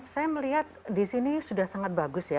saya melihat disini sudah sangat bagus ya